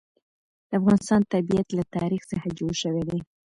د افغانستان طبیعت له تاریخ څخه جوړ شوی دی.